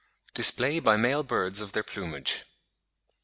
DISPLAY BY MALE BIRDS OF THEIR PLUMAGE.